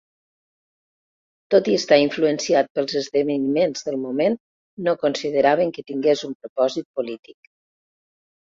Tot i estar influenciat pels esdeveniments del moment, no consideraven que tingués un propòsit polític.